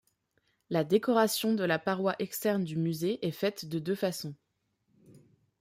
La décoration de la paroi externe du musée est faite de deux façons.